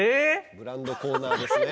ブランドコーナーですね。